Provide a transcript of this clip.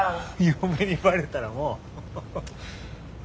嫁にバレたらもう。